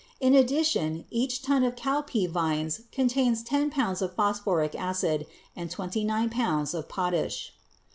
In addition each ton of cowpea vines contains ten pounds of phosphoric acid and twenty nine pounds of potash.